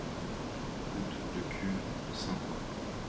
Route de Cuves, Saint-Pois